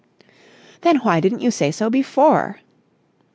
"They why didn't you say so before?"